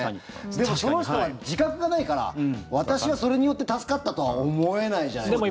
でも、その人は自覚がないから私はそれによって助かったとは思えないじゃないですか。